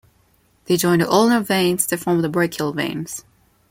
They join the ulnar veins to form the brachial veins.